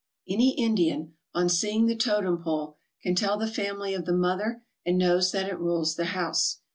Any Indian, on seeing the totem pole, can tell the family of the mother and knows that it rules the house.